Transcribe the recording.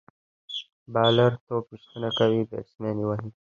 بالر توپ ویشتنه کوي، بیټسمېن يې وهي.